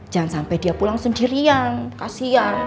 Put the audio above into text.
jangan sampai dia pulang sendirian kasian